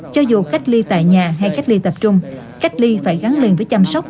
cho dù cách ly tại nhà hay cách ly tập trung cách ly phải gắn liền với chăm sóc